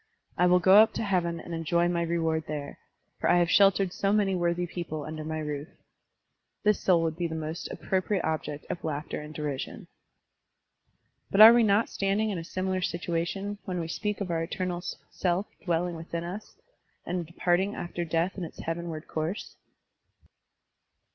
I will go up to heaven and enjoy my reward there, for I have sheltered so many worthy people tmder my roof, *' this soul would be the most appro priate object of laughter and derision. But are we not standing in a similar situation when we speak of our eternal self dwelling within us and departing after death in its heavenward course?